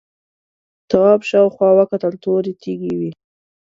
تواب شاوخوا وکتل تورې تیږې وې.